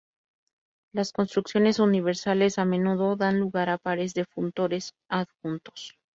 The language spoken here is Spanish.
Las construcciones universales a menudo dan lugar a pares de funtores adjuntos.